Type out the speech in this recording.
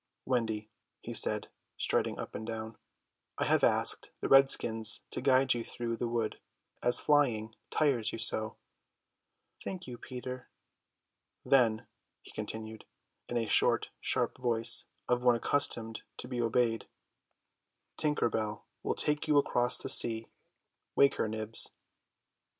"Wendy," he said, striding up and down, "I have asked the redskins to guide you through the wood, as flying tires you so." "Thank you, Peter." "Then," he continued, in the short sharp voice of one accustomed to be obeyed, "Tinker Bell will take you across the sea. Wake her, Nibs."